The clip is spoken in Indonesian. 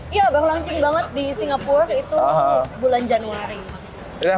iya baru launching banget di singapura itu bulan januari